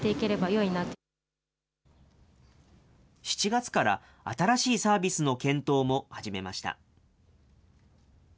７月から新しいサービスの検討も始めました。